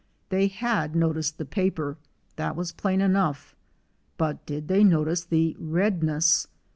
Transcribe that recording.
They had noticed the paper ; that was plain enough, but did they notice the redness?